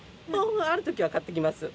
ある時は買っていきます。